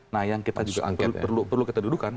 nah yang kita juga perlu kita dudukan